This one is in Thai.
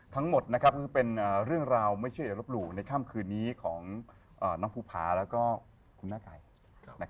ทั้งหมดนะครับเป็นเรื่องราวไม่เชื่ออย่างรบหลู่ในค่ำคืนนี้ของน้องภูภาแล้วก็คุณหน้าไก่นะครับ